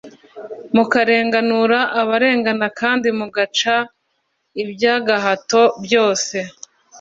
mukarenganura abarengana, kandi mugaca iby’agahato byose